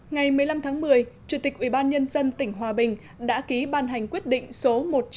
ngày một mươi năm tháng một mươi chủ tịch ubnd tỉnh hòa bình đã ký ban hành quyết định số một nghìn chín trăm bảy mươi một